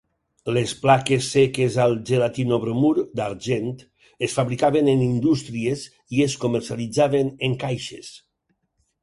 Les plaques seques al gelatinobromur d'argent es fabricaven en indústries i es comercialitzaven en caixes.